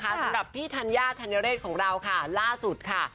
สำหรับพี่ธัญญาธัญเรศของเราค่ะล่าสุดค่ะ